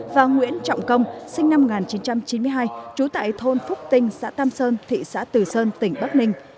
và nguyễn trọng công sinh năm một nghìn chín trăm chín mươi hai trú tại thôn phúc tinh xã tam sơn thị xã từ sơn tỉnh bắc ninh